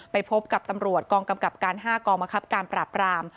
ไปพบกับตำรวจกองกำกับการ๕กองบังคับการปราบราม